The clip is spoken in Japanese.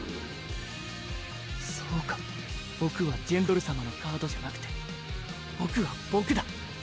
そうか僕はジェンドル様のカードじゃなくて僕は僕だ！